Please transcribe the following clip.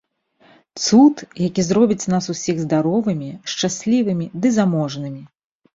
Цуд, які зробіць нас усіх здаровымі, шчаслівымі ды заможнымі.